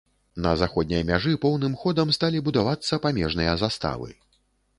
На заходняй мяжы поўным ходам сталі будавацца памежныя заставы.